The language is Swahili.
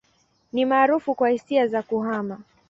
Ni maarufu kwa hisia za kuhama.